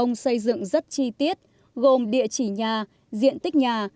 ông xây dựng rất chi tiết gồm địa chỉ nhà diện tích nhà